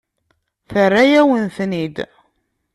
Terra-yawen-ten-id.